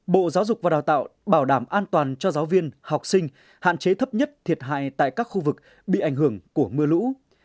bộ giáo dục và đào tạo bảo đảm an toàn cho giáo viên học sinh hạn chế thấp nhất thiệt hại tại các khu vực bị ảnh hưởng của mưa lũ